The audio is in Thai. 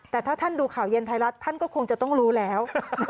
แต่ถ้าท่านดูข่าวเย็นไทยรัฐท่านก็คงจะต้องรู้แล้ว